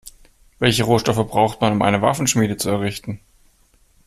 Welche Rohstoffe braucht man, um eine Waffenschmiede zu errichten?